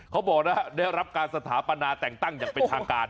เขาบอกนะได้รับการสถาปนาแต่งตั้งอย่างเป็นทางการ